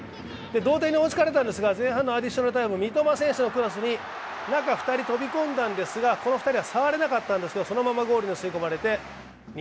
同点に追いつかれたんですが、前半のアディショナルタイム、三笘選手のクロスに中２人飛び込んだんですがこの２人は触れなかったんですがそのままゴールに吸い込まれて２−１。